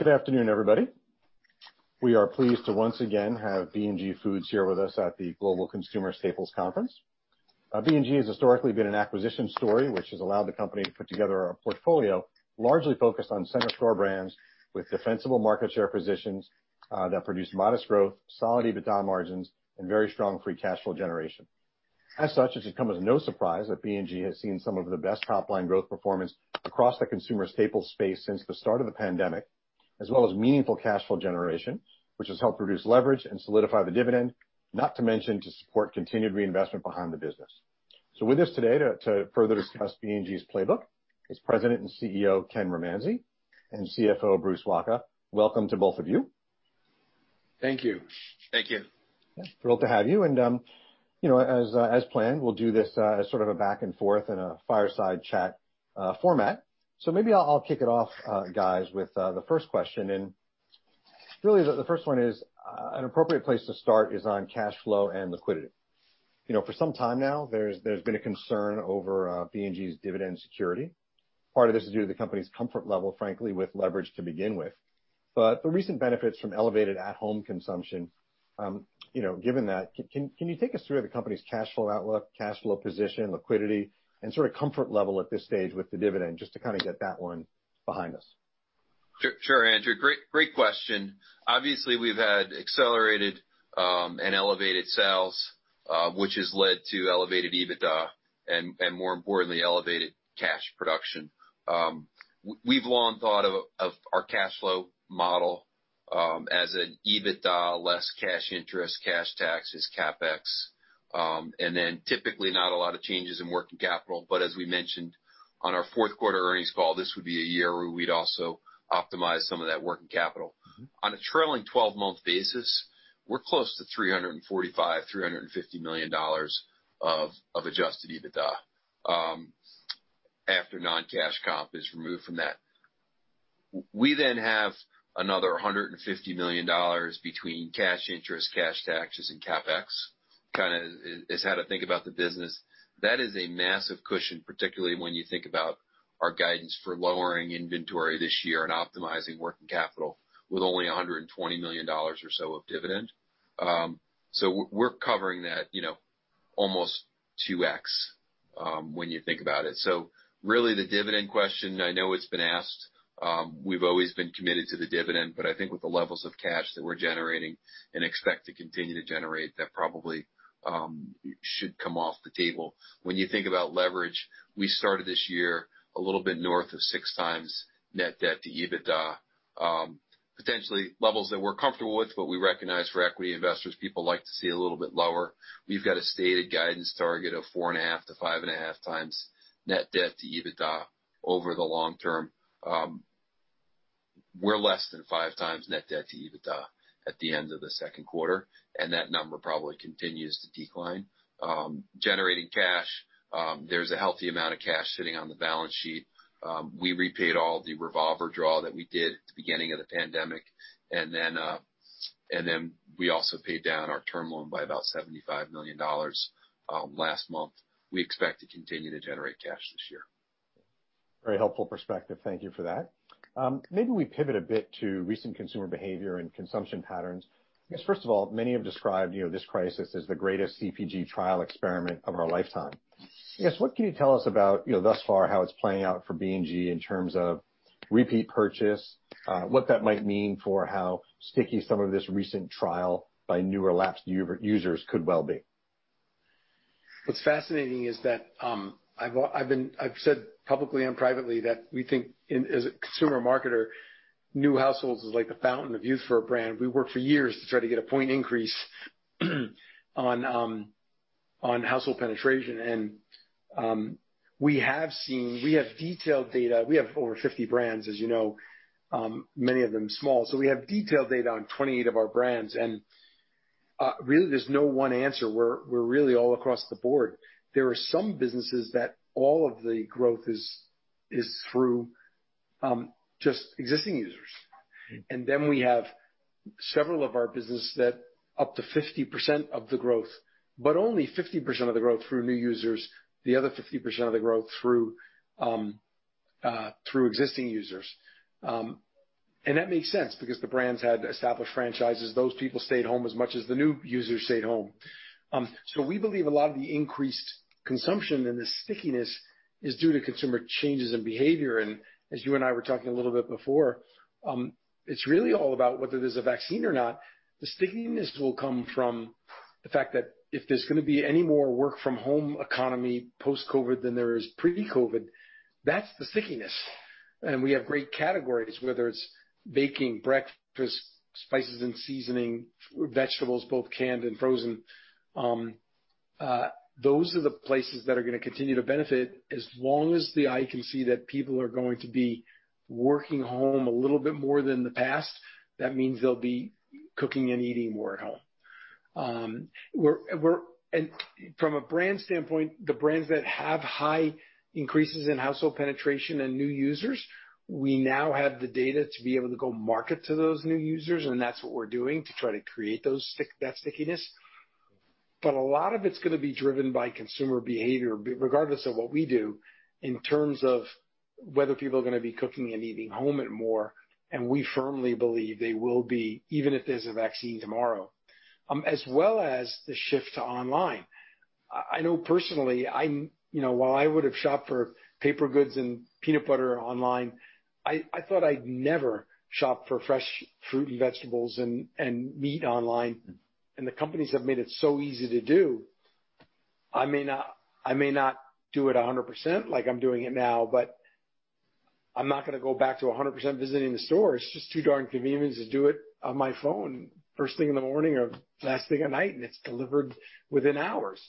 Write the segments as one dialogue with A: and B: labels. A: Good afternoon, everybody. We are pleased to once again have B&G Foods here with us at the Global Consumer Staples Conference. B&G has historically been an acquisition story, which has allowed the company to put together a portfolio largely focused on center store brands with defensible market share positions that produce modest growth, solid EBITDA margins, and very strong free cash flow generation. As such, it should come as no surprise that B&G has seen some of the best top-line growth performance across the consumer staples space since the start of the pandemic, as well as meaningful cash flow generation, which has helped reduce leverage and solidify the dividend, not to mention to support continued reinvestment behind the business. With us today to further discuss B&G's playbook is President and CEO, Ken Romanzi, and CFO, Bruce Wacha. Welcome to both of you.
B: Thank you.
C: Thank you.
A: Yeah. Thrilled to have you. As planned, we'll do this as a back and forth in a fireside chat format. Maybe I'll kick it off, guys, with the first question. Really, the first one is, an appropriate place to start is on cash flow and liquidity. For some time now, there's been a concern over B&G's dividend security. Part of this is due to the company's comfort level, frankly, with leverage to begin with. The recent benefits from elevated at-home consumption, given that, can you take us through the company's cash flow outlook, cash flow position, liquidity, and comfort level at this stage with the dividend, just to get that one behind us?
B: Sure, Andrew. Great question. Obviously, we've had accelerated and elevated sales, which has led to elevated EBITDA and more importantly, elevated cash production. We've long thought of our cash flow model as an EBITDA less cash interest, cash taxes, CapEx, and then typically not a lot of changes in working capital. As we mentioned on our fourth quarter earnings call, this would be a year where we'd also optimize some of that working capital. On a trailing 12-month basis, we're close to $345 million, $350 million of adjusted EBITDA after non-cash comp is removed from that. We have another $150 million between cash interest, cash taxes, and CapEx, is how to think about the business. That is a massive cushion, particularly when you think about our guidance for lowering inventory this year and optimizing working capital with only $120 million or so of dividend. We're covering that almost 2x, when you think about it. Really the dividend question, I know it's been asked. We've always been committed to the dividend, I think with the levels of cash that we're generating and expect to continue to generate, that probably should come off the table. When you think about leverage, we started this year a little bit north of 6x net debt to EBITDA. Potentially levels that we're comfortable with. We recognize for equity investors, people like to see a little bit lower. We've got a stated guidance target of four and a half to five and a half times net debt to EBITDA over the long term. We're less than five times net debt to EBITDA at the end of the second quarter. That number probably continues to decline. Generating cash, there's a healthy amount of cash sitting on the balance sheet. We repaid all the revolver draw that we did at the beginning of the pandemic. We also paid down our term loan by about $75 million last month. We expect to continue to generate cash this year.
A: Very helpful perspective. Thank you for that. Maybe we pivot a bit to recent consumer behavior and consumption patterns. I guess first of all, many have described this crisis as the greatest CPG trial experiment of our lifetime. I guess, what can you tell us about, thus far, how it's playing out for B&G in terms of repeat purchase? What that might mean for how sticky some of this recent trial by new or lapsed users could well be.
C: What's fascinating is that I've said publicly and privately that we think as a consumer marketer, new households is like the fountain of youth for a brand. We work for years to try to get a point increase on household penetration. We have detailed data. We have over 50 brands, as you know, many of them small. We have detailed data on 28 of our brands. Really, there's no one answer. We're really all across the board. There are some businesses that all of the growth is through just existing users. We have several of our businesses that up to 50% of the growth, but only 50% of the growth through new users, the other 50% of the growth through existing users. That makes sense because the brands had established franchises. Those people stayed home as much as the new users stayed home. We believe a lot of the increased consumption and the stickiness is due to consumer changes in behavior. As you and I were talking a little bit before, it's really all about whether there's a vaccine or not. The stickiness will come from the fact that if there's going to be any more work from home economy post-COVID than there is pre-COVID, that's the stickiness. We have great categories, whether it's baking, breakfast, spices and seasoning, vegetables, both canned and frozen. Those are the places that are going to continue to benefit as long as the eye can see that people are going to be working home a little bit more than the past. That means they'll be cooking and eating more at home. From a brand standpoint, the brands that have high increases in household penetration and new users, we now have the data to be able to go market to those new users, and that's what we're doing to try to create that stickiness. A lot of it's going to be driven by consumer behavior, regardless of what we do, in terms of whether people are going to be cooking and eating home more, and we firmly believe they will be, even if there's a vaccine tomorrow, as well as the shift to online. I know personally, while I would have shopped for paper goods and peanut butter online, I thought I'd never shop for fresh fruit and vegetables and meat online. The companies have made it so easy to do. I may not do it 100% like I'm doing it now. I'm not going to go back to 100% visiting the store. It's just too darn convenient to do it on my phone first thing in the morning or last thing at night. It's delivered within hours.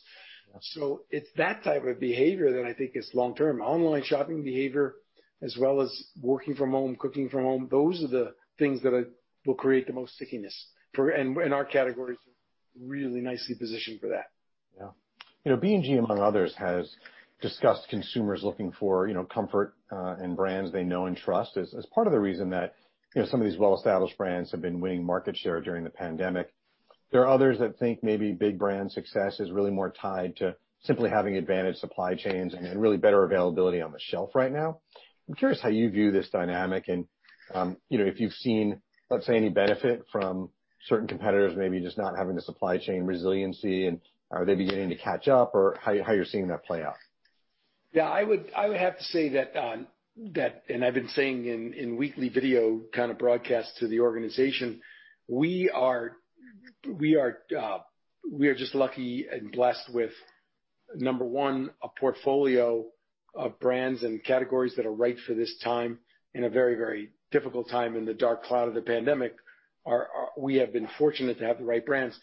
A: Yeah.
C: It's that type of behavior that I think is long-term. Online shopping behavior as well as working from home, cooking from home, those are the things that will create the most stickiness. Our categories are really nicely positioned for that.
A: Yeah. B&G, among others, has discussed consumers looking for comfort in brands they know and trust as part of the reason that some of these well-established brands have been winning market share during the pandemic. There are others that think maybe big brand success is really more tied to simply having advantage supply chains and really better availability on the shelf right now. I'm curious how you view this dynamic and if you've seen, let's say, any benefit from certain competitors maybe just not having the supply chain resiliency, and are they beginning to catch up, or how are you seeing that play out?
C: Yeah, I would have to say that, and I've been saying in weekly video kind of broadcasts to the organization, we are just lucky and blessed with, number one, a portfolio of brands and categories that are right for this time in a very difficult time in the dark cloud of the pandemic. We have been fortunate to have the right brands.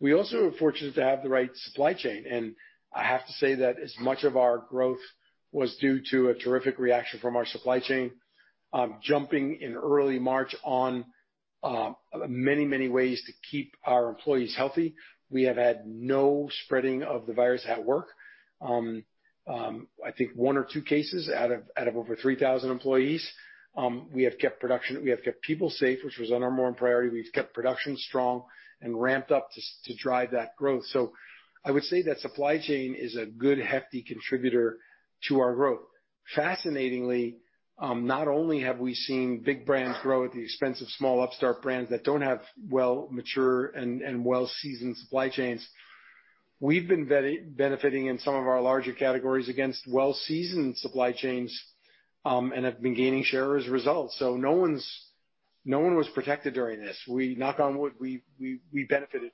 C: We also are fortunate to have the right supply chain, and I have to say that as much of our growth was due to a terrific reaction from our supply chain, jumping in early March on many ways to keep our employees healthy. We have had no spreading of the virus at work. I think one or two cases out of over 3,000 employees. We have kept people safe, which was on our number one priority. We've kept production strong and ramped up to drive that growth. I would say that supply chain is a good, hefty contributor to our growth. Fascinatingly, not only have we seen big brands grow at the expense of small upstart brands that don't have well mature and well-seasoned supply chains, we've been benefiting in some of our larger categories against well-seasoned supply chains, and have been gaining share as a result. No one was protected during this. Knock on wood, we benefited.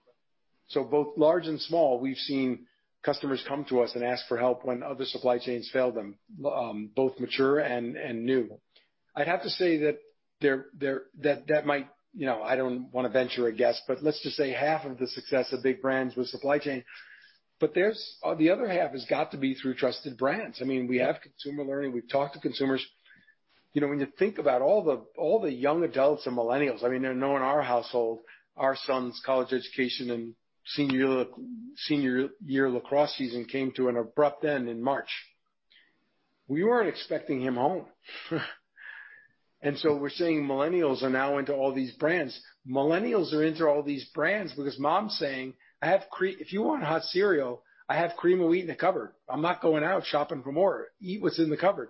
C: Both large and small, we've seen customers come to us and ask for help when other supply chains failed them, both mature and new. I'd have to say that might, I don't want to venture a guess, but let's just say half of the success of big brands was supply chain. The other half has got to be through trusted brands. We have consumer learning. We've talked to consumers. When you think about all the young adults and millennials, I mean, I know in our household, our son's college education and senior year lacrosse season came to an abrupt end in March. We weren't expecting him home. We're seeing millennials are now into all these brands. Millennials are into all these brands because Mom's saying, "If you want hot cereal, I have Cream of Wheat in the cupboard. I'm not going out shopping for more. Eat what's in the cupboard.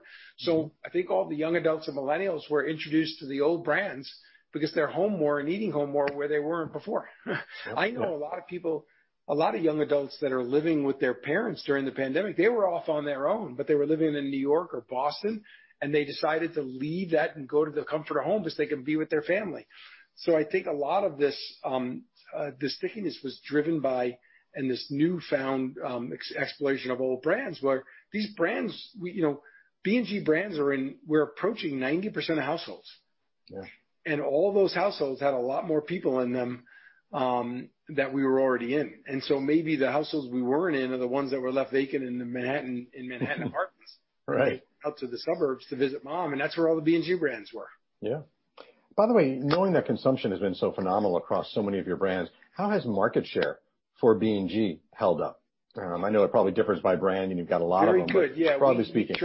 C: I think all the young adults and millennials were introduced to the old brands because they're home more and eating home more where they weren't before.
A: Yeah.
C: I know a lot of people, a lot of young adults that are living with their parents during the pandemic, they were off on their own, but they were living in New York or Boston, and they decided to leave that and go to the comfort of home because they can be with their family. I think a lot of this stickiness was driven by, and this newfound exploration of old brands, where these brands, B&G brands, we're approaching 90% of households.
A: Yeah.
C: All those households had a lot more people in them that we were already in. Maybe the households we weren't in are the ones that were left vacant in Manhattan apartments.
A: Right.
C: Out to the suburbs to visit Mom. That's where all the B&G brands were.
A: Yeah. By the way, knowing that consumption has been so phenomenal across so many of your brands, how has market share for B&G held up? I know it probably differs by brand. You've got a lot of them.
C: Very good. Yeah.
A: Broadly speaking.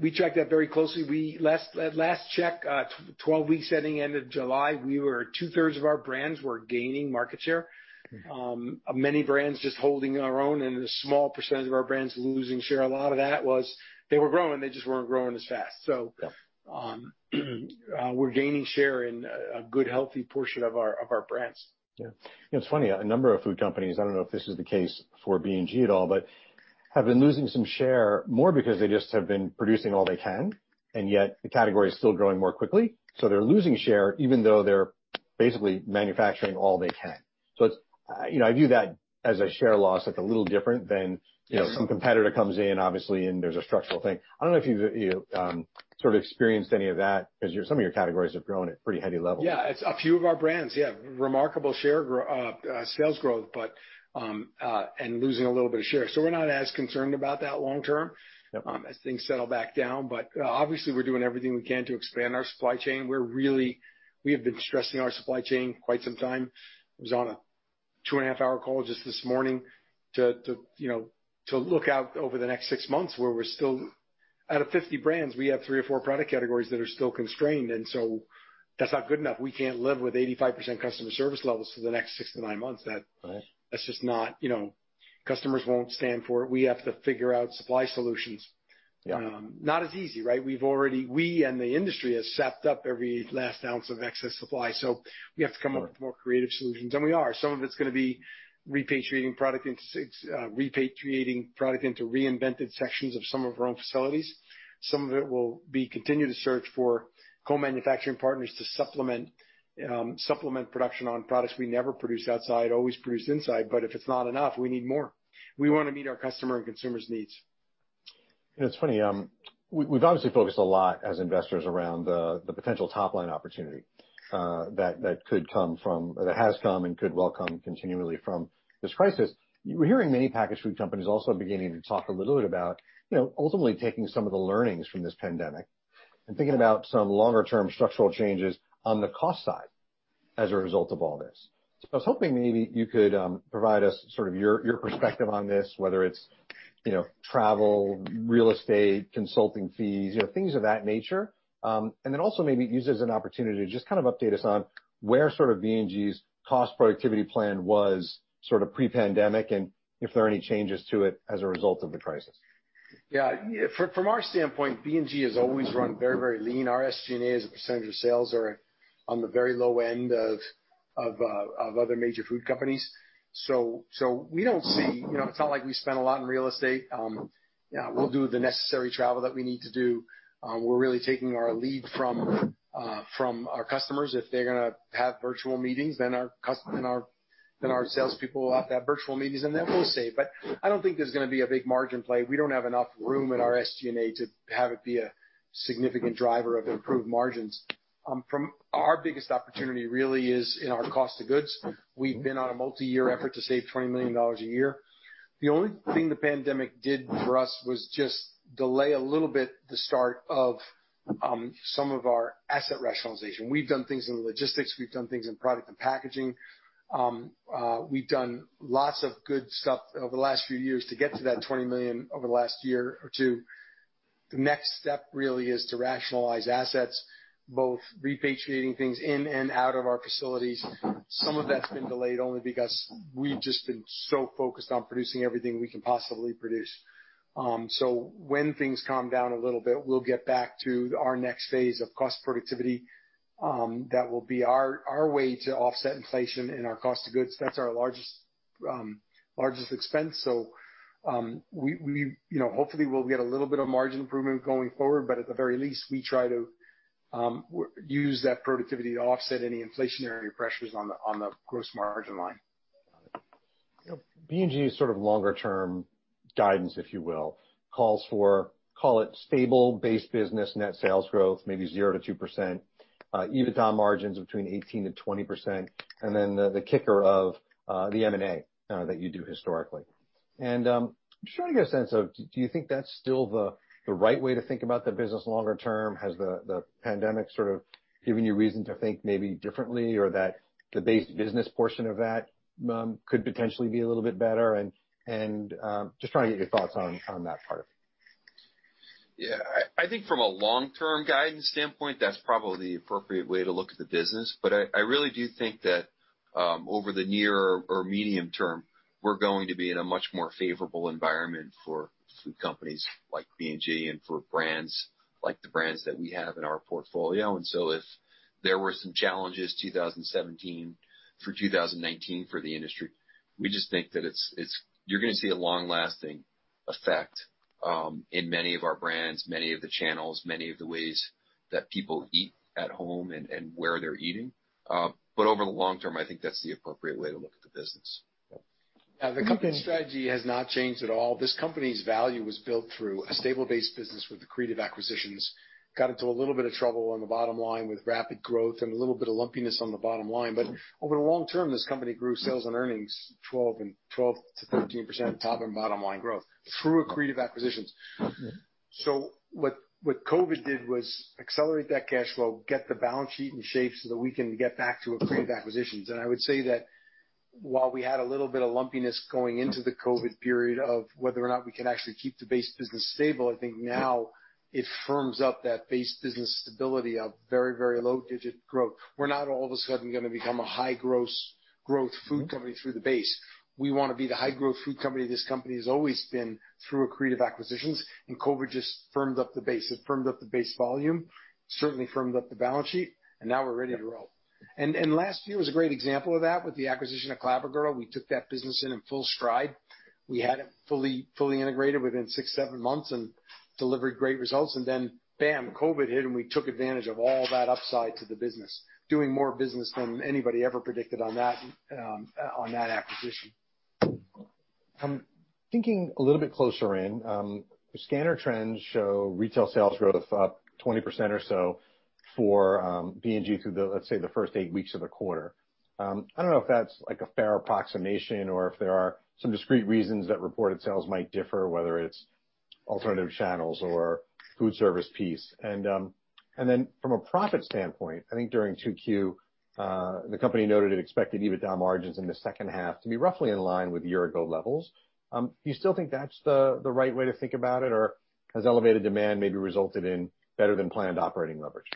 C: We track that very closely. At last check, 12 weeks ending end of July, 2/3 of our brands were gaining market share. Many brands just holding our own, and a small percentage of our brands losing share. A lot of that was they were growing, they just weren't growing as fast.
A: Yeah.
C: We're gaining share in a good, healthy portion of our brands.
A: Yeah. It's funny, a number of food companies, I don't know if this is the case for B&G at all, but have been losing some share more because they just have been producing all they can, and yet the category is still growing more quickly. They're losing share even though they're basically manufacturing all they can. I view that as a share loss, like a little different.
C: Yeah
A: Some competitor comes in, obviously, and there's a structural thing. I don't know if you sort of experienced any of that, because some of your categories have grown at pretty heady levels.
C: Yeah. A few of our brands, yeah, remarkable sales growth, and losing a little bit of share. We're not as concerned about that long term.
A: Yep
C: As things settle back down, obviously we're doing everything we can to expand our supply chain. We have been stressing our supply chain quite some time. I was on a two-and-a-half-hour call just this morning to look out over the next six months where we're still. Out of 50 brands, we have 3 or 4 product categories that are still constrained, that's not good enough. We can't live with 85% customer service levels for the next 6-9 months.
A: Right.
C: Customers won't stand for it. We have to figure out supply solutions.
A: Yeah.
C: Not as easy, right? We and the industry has sapped up every last ounce of excess supply, so we have to come up with more creative solutions, and we are. Some of it's going to be repatriating product into reinvented sections of some of our own facilities. Some of it will be continued search for co-manufacturing partners to supplement production on products we never produced outside, always produced inside. If it's not enough, we need more. We want to meet our customer and consumers' needs.
A: It's funny. We've obviously focused a lot as investors around the potential top-line opportunity that has come and could well come continually from this crisis. We're hearing many packaged food companies also beginning to talk a little bit about ultimately taking some of the learnings from this pandemic and thinking about some longer-term structural changes on the cost side as a result of all this. I was hoping maybe you could provide us your perspective on this, whether it's travel, real estate, consulting fees, things of that nature. Also maybe use it as an opportunity to just update us on where B&G's cost productivity plan was pre-pandemic and if there are any changes to it as a result of the crisis.
C: Yeah. From our standpoint, B&G has always run very, very lean. Our SG&A as a percentage of sales are on the very low end of other major food companies. It's not like we spend a lot on real estate. We'll do the necessary travel that we need to do. If they're going to have virtual meetings, then our salespeople will have to have virtual meetings, and then we'll save. I don't think there's going to be a big margin play. We don't have enough room in our SG&A to have it be a significant driver of improved margins. Our biggest opportunity really is in our cost of goods. We've been on a multi-year effort to save $20 million a year. The only thing the pandemic did for us was just delay a little bit the start of some of our asset rationalization. We've done things in logistics, we've done things in product and packaging. We've done lots of good stuff over the last few years to get to that $20 million over the last year or two. The next step really is to rationalize assets, both repatriating things in and out of our facilities. Some of that's been delayed only because we've just been so focused on producing everything we can possibly produce. When things calm down a little bit, we'll get back to our next phase of cost productivity. That will be our way to offset inflation in our cost of goods. That's our largest expense. Hopefully, we'll get a little bit of margin improvement going forward, but at the very least, we try to use that productivity to offset any inflationary pressures on the gross margin line.
A: Got it. B&G's sort of longer-term guidance, if you will, calls for, call it stable base business net sales growth, maybe 0%-2%, EBITDA margins between 18%-20%, and then the kicker of the M&A that you do historically. I'm just trying to get a sense of, do you think that's still the right way to think about the business longer term? Has the pandemic given you reason to think maybe differently, or that the base business portion of that could potentially be a little bit better? Just trying to get your thoughts on that part.
B: Yeah. I think from a long-term guidance standpoint, that's probably the appropriate way to look at the business. I really do think that over the near or medium term, we're going to be in a much more favorable environment for food companies like B&G and for brands like the brands that we have in our portfolio. If there were some challenges 2017 through 2019 for the industry, we just think that you're going to see a long-lasting effect in many of our brands, many of the channels, many of the ways that people eat at home and where they're eating. Over the long term, I think that's the appropriate way to look at the business.
C: Yeah. The company strategy has not changed at all. This company's value was built through a stable base business with accretive acquisitions. Got into a little bit of trouble on the bottom line with rapid growth and a little bit of lumpiness on the bottom line. Over the long term, this company grew sales and earnings 12%-13% top and bottom line growth through accretive acquisitions. What COVID did was accelerate that cash flow, get the balance sheet in shape so that we can get back to accretive acquisitions. I would say that while we had a little bit of lumpiness going into the COVID period of whether or not we could actually keep the base business stable, I think now it firms up that base business stability of very, very low digit growth. We're not all of a sudden going to become a high growth food company through the base. We want to be the high growth food company this company has always been through accretive acquisitions, COVID just firmed up the base. It firmed up the base volume, certainly firmed up the balance sheet, Now we're ready to roll. Last year was a great example of that with the acquisition of Clabber Girl. We took that business in in full stride. We had it fully integrated within six, seven months and delivered great results. Bam, COVID hit and we took advantage of all that upside to the business, doing more business than anybody ever predicted on that acquisition.
A: I'm thinking a little bit closer in. Scanner trends show retail sales growth up 20% or so for B&G through the, let's say, the first eight weeks of the quarter. I don't know if that's a fair approximation or if there are some discrete reasons that reported sales might differ, whether it's alternative channels or food service piece. Then from a profit standpoint, I think during 2Q, the company noted it expected EBITDA margins in the second half to be roughly in line with year-ago levels. Do you still think that's the right way to think about it, or has elevated demand maybe resulted in better than planned operating leverage?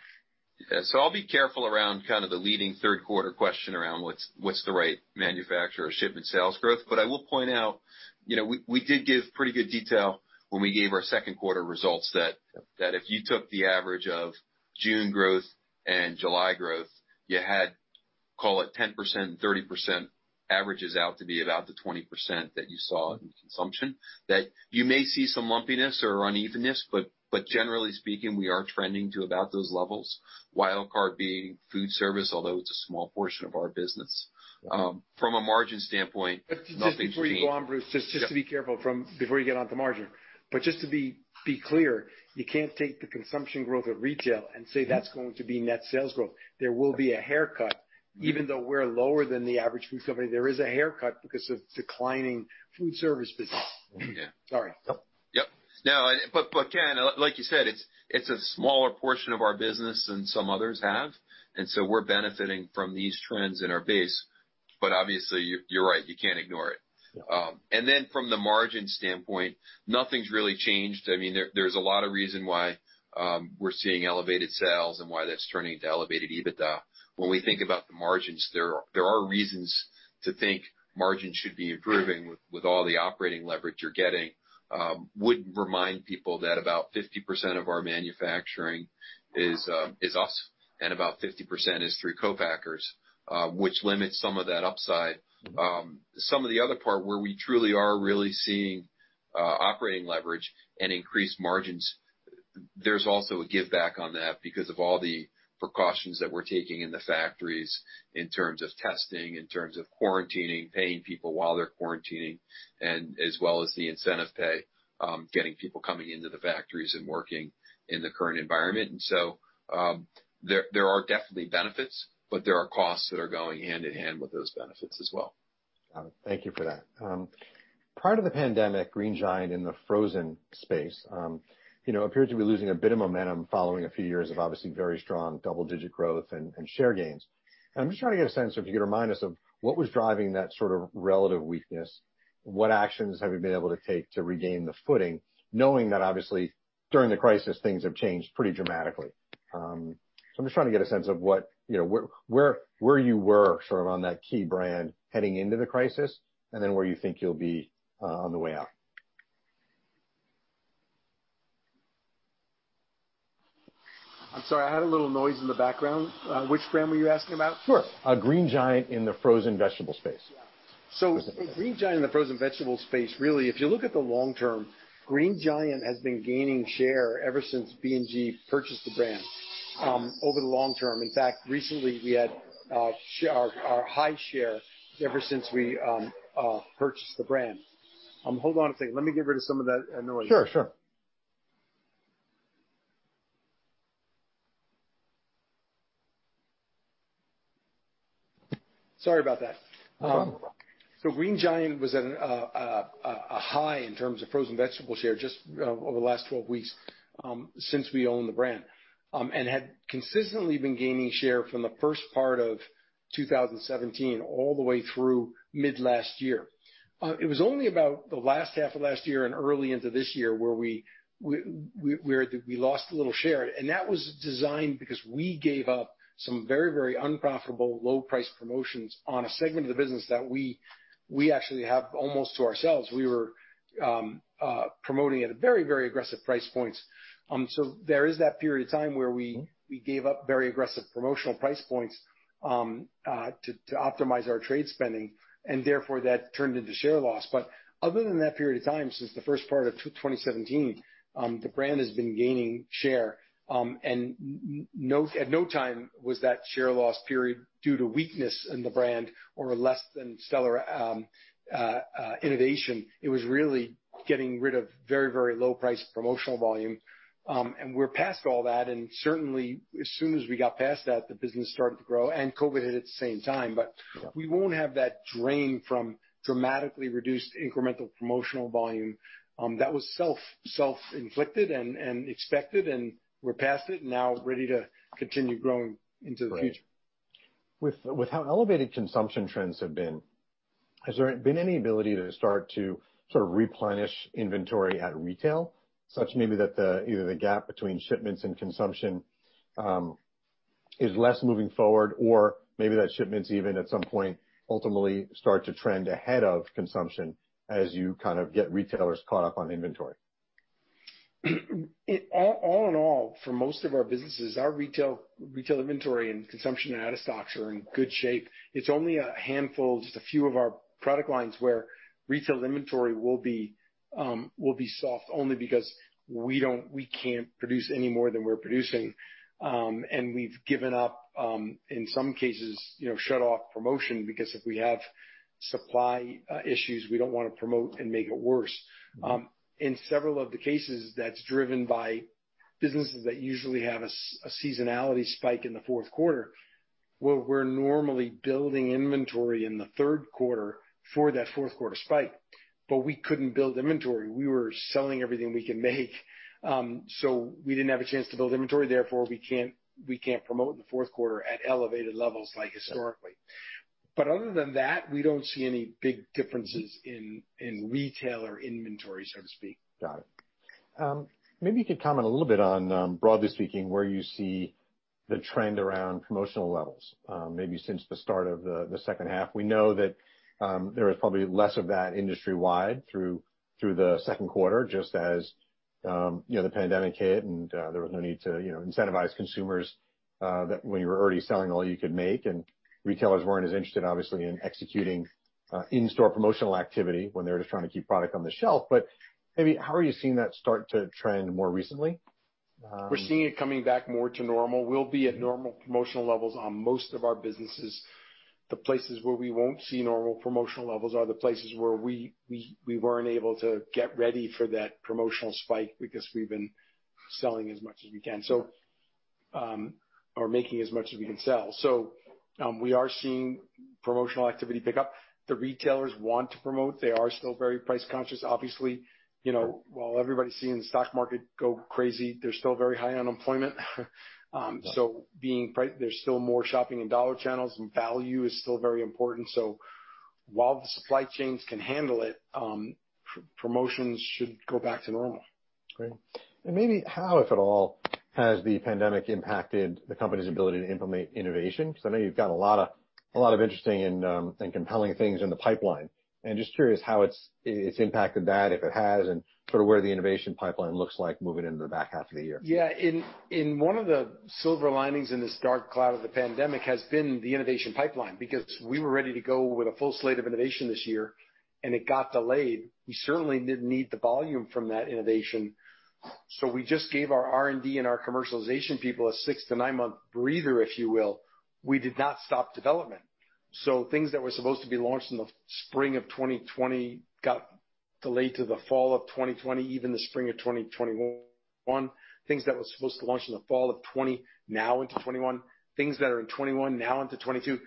B: Yeah. I'll be careful around the leading third quarter question around what's the right manufacturer or shipment sales growth. I will point out, we did give pretty good detail when we gave our second quarter results that if you took the average of June growth and July growth, you had, call it 10%, 30% averages out to be about the 20% that you saw in consumption, that you may see some lumpiness or unevenness. Generally speaking, we are trending to about those levels, wild card being food service, although it's a small portion of our business. From a margin standpoint, nothing.
C: Just before you go on, Bruce, just to be careful before you get onto margin. Just to be clear, you can't take the consumption growth of retail and say that's going to be net sales growth. There will be a haircut. Even though we're lower than the average food company, there is a haircut because of declining food service business.
B: Yeah.
C: Sorry.
B: Yep. No, Ken, like you said, it's a smaller portion of our business than some others have, and so we're benefiting from these trends in our base. Obviously, you're right, you can't ignore it.
C: Yeah.
B: Then from the margin standpoint, nothing's really changed. There's a lot of reason why we're seeing elevated sales and why that's turning into elevated EBITDA. When we think about the margins, there are reasons to think margins should be improving with all the operating leverage you're getting. Would remind people that about 50% of our manufacturing is us, and about 50% is through co-packers, which limits some of that upside. Some of the other part where we truly are really seeing operating leverage and increased margins, there's also a giveback on that because of all the precautions that we're taking in the factories in terms of testing, in terms of quarantining, paying people while they're quarantining, and as well as the incentive pay, getting people coming into the factories and working in the current environment. There are definitely benefits, but there are costs that are going hand in hand with those benefits as well.
A: Got it. Thank you for that. Prior to the pandemic, Green Giant in the frozen space appeared to be losing a bit of momentum following a few years of obviously very strong double-digit growth and share gains. I'm just trying to get a sense of, if you could remind us of what was driving that sort of relative weakness. What actions have you been able to take to regain the footing, knowing that obviously, during the crisis, things have changed pretty dramatically? I'm just trying to get a sense of where you were on that key brand heading into the crisis, and then where you think you'll be on the way out.
C: I'm sorry. I had a little noise in the background. Which brand were you asking about?
A: Sure. Green Giant in the frozen vegetable space.
C: Yeah. With Green Giant in the frozen vegetable space, really, if you look at the long term, Green Giant has been gaining share ever since B&G purchased the brand over the long term. In fact, recently, we had our high share ever since we purchased the brand. Hold on a second. Let me get rid of some of that noise.
A: Sure.
C: Sorry about that.
A: No problem.
C: Green Giant was at a high in terms of frozen vegetable share just over the last 12 weeks, since we owned the brand, and had consistently been gaining share from the first part of 2017, all the way through mid last year. It was only about the last half of last year and early into this year where we lost a little share. That was designed because we gave up some very unprofitable, low price promotions on a segment of the business that we actually have almost to ourselves. We were promoting at very aggressive price points. There is that period of time where we gave up very aggressive promotional price points to optimize our trade spending, and therefore, that turned into share loss. Other than that period of time, since the first part of 2017, the brand has been gaining share. At no time was that share loss period due to weakness in the brand or less than stellar innovation. It was really getting rid of very low priced promotional volume. We're past all that, and certainly, as soon as we got past that, the business started to grow, and COVID hit at the same time. We won't have that drain from dramatically reduced incremental promotional volume that was self-inflicted and expected, and we're past it, and now ready to continue growing into the future.
A: With how elevated consumption trends have been, has there been any ability to start to replenish inventory at retail, such maybe that either the gap between shipments and consumption is less moving forward, or maybe that shipments even at some point, ultimately start to trend ahead of consumption as you get retailers caught up on inventory?
C: All in all, for most of our businesses, our retail inventory and consumption and out of stocks are in good shape. It's only a handful, just a few of our product lines where retail inventory will be soft, only because we can't produce any more than we're producing. We've given up, in some cases, shut off promotion, because if we have supply issues, we don't want to promote and make it worse. In several of the cases, that's driven by businesses that usually have a seasonality spike in the fourth quarter. Well, we're normally building inventory in the third quarter for that fourth quarter spike, but we couldn't build inventory. We were selling everything we can make, so we didn't have a chance to build inventory, therefore, we can't promote in the fourth quarter at elevated levels like historically. Other than that, we don't see any big differences in retail or inventory, so to speak.
A: Got it. Maybe you could comment a little bit on, broadly speaking, where you see the trend around promotional levels. Maybe since the start of the second half. We know that there was probably less of that industry-wide through the second quarter, just as the pandemic hit and there was no need to incentivize consumers, that when you were already selling all you could make and retailers weren't as interested, obviously, in executing in-store promotional activity when they're just trying to keep product on the shelf. Maybe how are you seeing that start to trend more recently?
C: We're seeing it coming back more to normal. We'll be at normal promotional levels on most of our businesses. The places where we won't see normal promotional levels are the places where we weren't able to get ready for that promotional spike because we've been selling as much as we can. Making as much as we can sell. We are seeing promotional activity pick up. The retailers want to promote. They are still very price-conscious. Obviously, while everybody's seeing the stock market go crazy, there's still very high unemployment.
A: Right.
C: There's still more shopping in dollar channels, and value is still very important. While the supply chains can handle it, promotions should go back to normal.
A: Great. Maybe how, if at all, has the pandemic impacted the company's ability to implement innovation? I know you've got a lot of interesting and compelling things in the pipeline, and just curious how it's impacted that, if it has, and sort of where the innovation pipeline looks like moving into the back half of the year.
C: Yeah. In one of the silver linings in this dark cloud of the pandemic has been the innovation pipeline because we were ready to go with a full slate of innovation this year and it got delayed. We certainly didn't need the volume from that innovation, so we just gave our R&D and our commercialization people a six to nine-month breather, if you will. We did not stop development. Things that were supposed to be launched in the spring of 2020 got delayed to the fall of 2020, even the spring of 2021. Things that were supposed to launch in the fall of 2020, now into 2021. Things that are in 2021, now into 2022.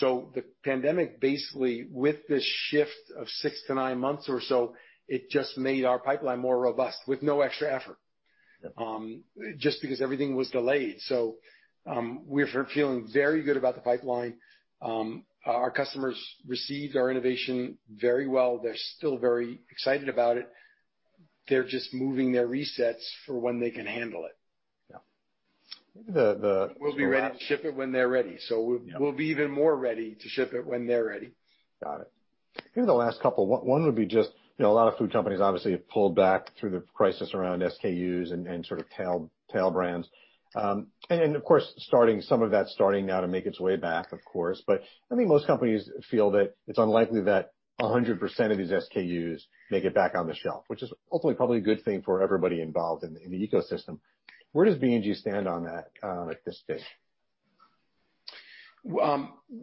C: The pandemic basically, with the shift of six to nine months or so, it just made our pipeline more robust with no extra effort.
A: Yep.
C: Just because everything was delayed. We're feeling very good about the pipeline. Our customers received our innovation very well. They're still very excited about it. They're just moving their resets for when they can handle it.
A: Yeah.
C: We'll be ready to ship it when they're ready.
A: Yeah.
C: We'll be even more ready to ship it when they're ready.
A: Got it. Maybe the last couple. One would be just a lot of food companies obviously have pulled back through the crisis around SKUs and sort of tail brands. Then, of course, some of that's starting now to make its way back, of course. I think most companies feel that it's unlikely that 100% of these SKUs make it back on the shelf, which is ultimately probably a good thing for everybody involved in the ecosystem. Where does B&G stand on that at this stage?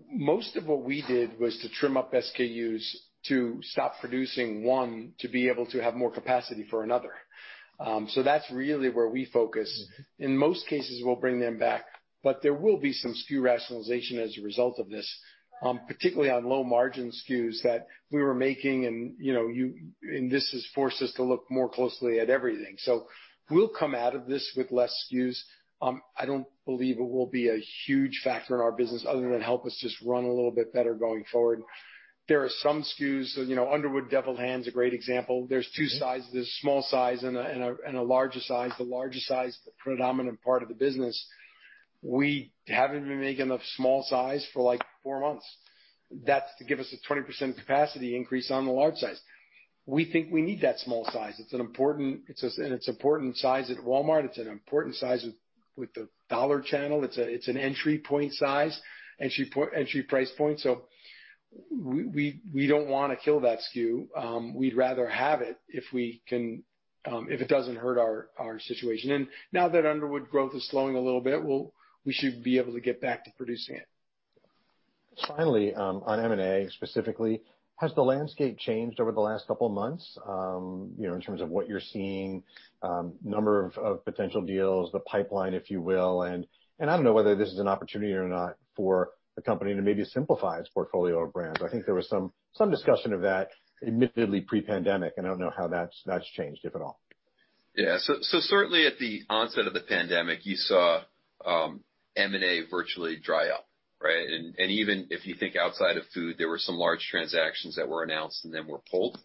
C: Most of what we did was to trim up SKUs to stop producing one, to be able to have more capacity for another. That's really where we focus. In most cases, we'll bring them back, but there will be some SKU rationalization as a result of this, particularly on low-margin SKUs that we were making and this has forced us to look more closely at everything. We'll come out of this with less SKUs. I don't believe it will be a huge factor in our business other than help us just run a little bit better going forward. There are some SKUs, Underwood Deviled Ham's a great example. There's two sizes, there's small size and a larger size. The larger size is the predominant part of the business. We haven't been making the small size for, like, four months. That's to give us a 20% capacity increase on the large size. We think we need that small size. It's an important size at Walmart. It's an important size with the dollar channel. It's an entry point size, entry price point. We don't want to kill that SKU. We'd rather have it if it doesn't hurt our situation. Now that Underwood growth is slowing a little bit, we should be able to get back to producing it.
A: Finally, on M&A specifically, has the landscape changed over the last couple of months, in terms of what you're seeing, number of potential deals, the pipeline, if you will? I don't know whether this is an opportunity or not for a company to maybe simplify its portfolio of brands. I think there was some discussion of that, admittedly pre-pandemic. I don't know how that's changed, if at all.
B: Certainly at the onset of the pandemic, you saw M&A virtually dry up, right? Even if you think outside of food, there were some large transactions that were announced and then were pulled.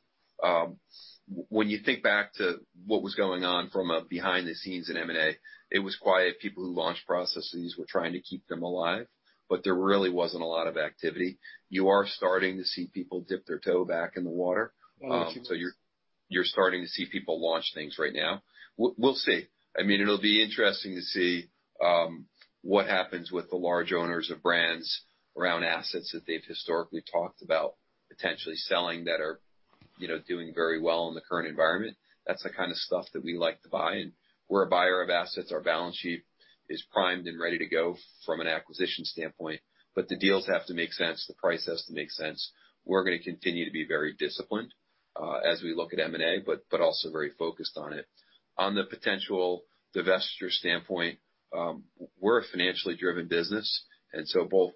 B: When you think back to what was going on from a behind-the-scenes in M&A, it was quiet. People who launched processes were trying to keep them alive, but there really wasn't a lot of activity. You are starting to see people dip their toe back in the water.
A: Interesting.
B: You're starting to see people launch things right now. We'll see. It'll be interesting to see what happens with the large owners of brands around assets that they've historically talked about potentially selling that are doing very well in the current environment. That's the kind of stuff that we like to buy, and we're a buyer of assets. Our balance sheet is primed and ready to go from an acquisition standpoint. The deals have to make sense. The price has to make sense. We're going to continue to be very disciplined as we look at M&A, but also very focused on it. On the potential divestiture standpoint, we're a financially driven business, and so both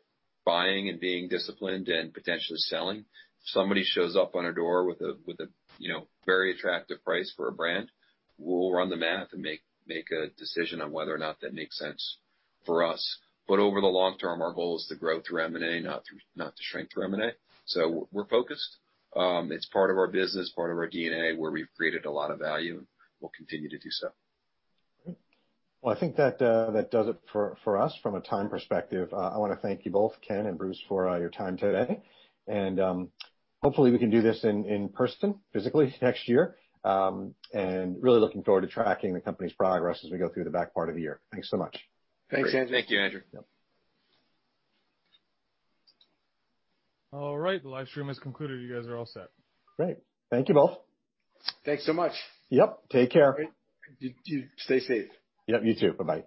B: buying and being disciplined and potentially selling. If somebody shows up on our door with a very attractive price for a brand, we'll run the math and make a decision on whether or not that makes sense for us. Over the long term, our goal is to grow through M&A, not to shrink through M&A. We're focused. It's part of our business, part of our DNA, where we've created a lot of value, and we'll continue to do so.
A: Great. Well, I think that does it for us from a time perspective. I want to thank you both, Ken and Bruce, for your time today. Hopefully we can do this in person, physically, next year. Really looking forward to tracking the company's progress as we go through the back part of the year. Thanks so much.
C: Thanks, Andrew.
B: Thank you, Andrew.
D: Yep. All right. The live stream has concluded. You guys are all set. Great. Thank you both.
C: Thanks so much.
A: Yep. Take care.
C: You stay safe.
A: Yep, you too. Bye-bye.